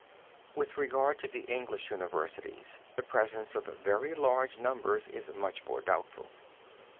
With regard to the English universities the presence of very large numbers is much more doubtful.